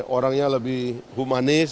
orangnya lebih humanis